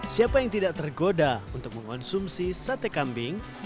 siapa yang tidak tergoda untuk mengonsumsi sate kambing